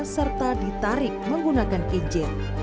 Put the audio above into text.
serta ditarik menggunakan kinjil